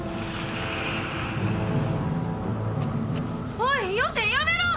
おいよせやめろ！